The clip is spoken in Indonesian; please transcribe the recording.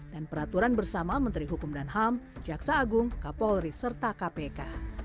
peraturan bersama menteri hukum dan ham jaksa agung kapolri serta kpk